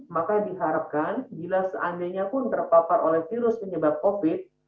maka diharapkan bila seandainya pun terpapar oleh virus penyebab covid